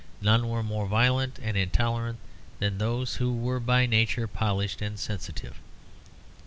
None were more violent and intolerant than those who were by nature polished and sensitive.